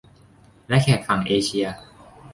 และแขกฝั่งเอเชีย